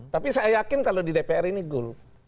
tapi saya yakin kalau di dpr ini goal